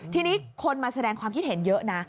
ทีนี้คนมาแสดงความคิดเห็นเยอะนะ